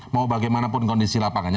mau bagaimanapun kondisi lapangannya